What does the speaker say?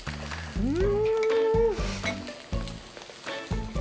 うん。